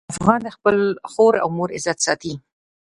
افغان د خپل خور او مور عزت ساتي.